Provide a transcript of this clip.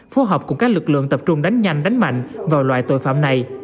phối hợp cùng các lực lượng tập trung đánh nhanh đánh mạnh vào loại tội phạm này